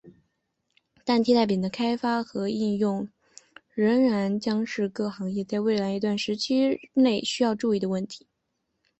但替代品的开发和应用仍然将是各行业在未来一段时期内需要关注的问题。